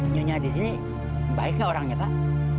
nyonya di sini baik nggak orangnya pak